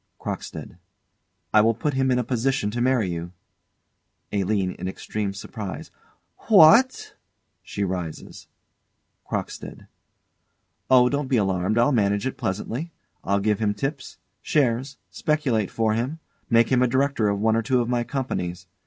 CROCKSTEAD. I will put him in a position to marry you. ALINE. [In extreme surprise.] What! [She rises. CROCKSTEAD. Oh, don't be alarmed, I'll manage it pleasantly. I'll give him tips, shares, speculate for him, make him a director of one or two of my companies.